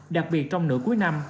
đặc biệt trong nửa cuối năm